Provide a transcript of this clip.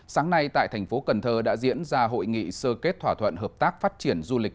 sáng nay tại thành phố cần thơ đã diễn ra hội nghị sơ kết thỏa thuận hợp tác phát triển du lịch